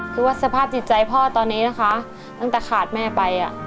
คือว่าสภาพจิตใจพ่อตอนนี้นะคะตั้งแต่ขาดแม่ไป